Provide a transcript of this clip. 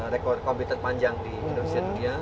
rekor kompi terpanjang di indonesia